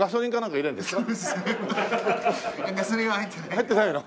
入ってないの？